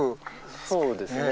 そうですね。